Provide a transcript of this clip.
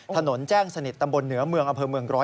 ถนนแจ้งสนิทตำบลเหนือเมืองอำเภอเมือง๑๐